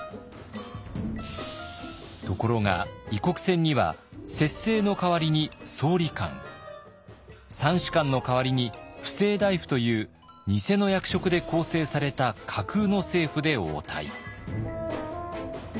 ところが異国船には摂政の代わりに総理官三司官の代わりに布政大夫という偽の役職で構成された架空の政府で応対。